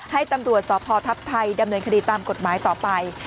ให้ตำรวจสพทัพไทยดำเนินคดีตามกฎหมายต่อไป